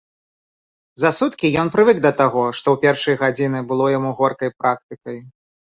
За суткі ён прывык да таго, што ў першыя гадзіны было яму горкай практыкай.